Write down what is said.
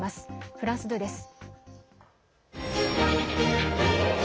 フランス２です。